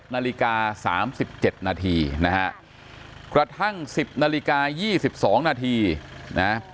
นาฬิกา๓๗นาทีนะฮะกระทั่ง๑๐นาฬิกา๒๒นาทีนะ